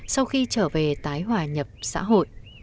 sau khi trở về tái hòa nhập xã hội